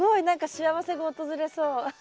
何か幸せが訪れそう。